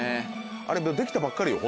あれできたばっかりよ